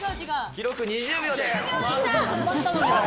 記録２０秒です。